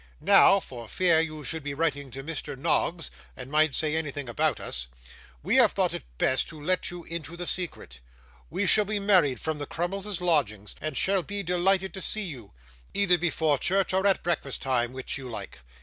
Now, for fear you should be writing to Mr. Noggs, and might say anything about us, we have thought it best to let you into the secret. We shall be married from the Crummleses' lodgings, and shall be delighted to see you either before church or at breakfast time, which you like.